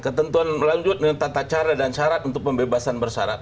ketentuan lanjut dengan tata cara dan syarat untuk pembebasan bersyarat